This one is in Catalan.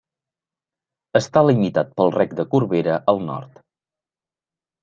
Està limitat pel Rec de Corbera al nord.